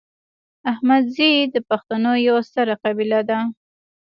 احمدزي د پښتنو یوه ستره قبیله ده